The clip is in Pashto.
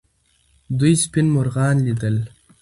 دوی سپین مرغان لیدل.